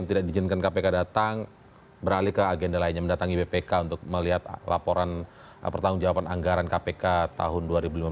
jadi mana yang diberikan ke bpk untuk melihat laporan pertanggung jawaban anggaran kpk tahun dua ribu lima belas dua ribu enam belas